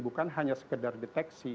bukan hanya sekedar deteksi